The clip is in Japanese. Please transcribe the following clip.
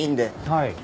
はい。